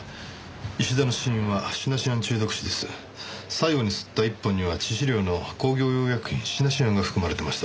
最後に吸った一本には致死量の工業用薬品シナシアンが含まれてました。